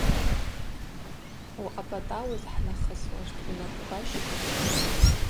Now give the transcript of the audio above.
Уъапӏатӏауыз хӏнахысуаштӏ, унапӏква щтӏых.